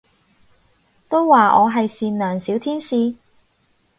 都話我係善良小天使